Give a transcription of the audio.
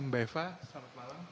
mbak eva selamat malam